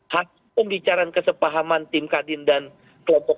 hasil pembicaraan kesepahaman tim kadin dan perpuk